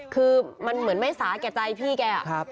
คือมันเหมือนไม่สาแก่ใจพี่แก